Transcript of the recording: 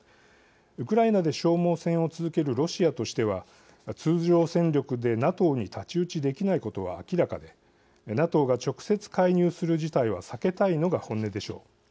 ウクライナで消耗戦を続けるロシアとしては通常戦力でＮＡＴＯに太刀打ちできないことは明らかでＮＡＴＯが直接、介入する事態は避けたいのが本音でしょう。